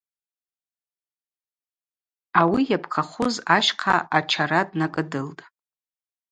Ауи йапхъахуз ащхъа ачара днакӏыдылтӏ.